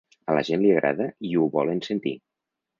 A la gent li agrada i ho volen sentir.